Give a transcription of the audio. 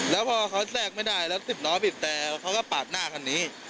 แล้วพอเขาแทรกไม่ได้แล้ว๑๐ล้อบิดแต่เขาก็ปาดหน้าคันนี้